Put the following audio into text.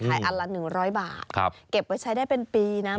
อันละ๑๐๐บาทเก็บไว้ใช้ได้เป็นปีนะ